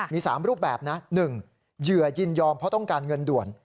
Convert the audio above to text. มี๓รูปแบบนะ๑เหยื่อยินยอมเพราะต้องการเงินด่วน